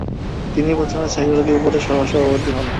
তিনি প্রথমে সেক্রেটারি ও পরে সহ-সভাপতি হন।